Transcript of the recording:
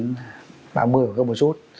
ba mươi hoặc hơn một chút